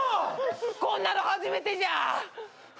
こんなの初めてじゃ。